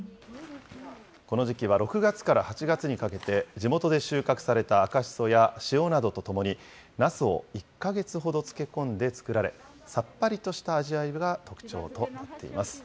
この時期は６月から８月にかけて、地元で収穫された赤しそや塩などとともに、なすを１か月ほど漬け込んで作られ、さっぱりとした味わいが特徴となっています。